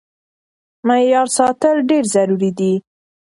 معيار ساتل ډېر ضروري دی.